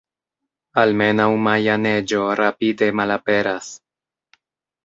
Almenaŭ maja neĝo rapide malaperas!